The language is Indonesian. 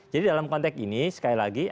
jadi dalam konteks ini sekali lagi